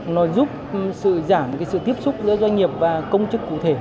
nó giúp sự giảm sự tiếp xúc giữa doanh nghiệp và công chức cụ thể